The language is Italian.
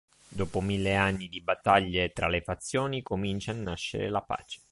Dopo mille anni di battaglie, tra le fazioni comincia a nascere la pace.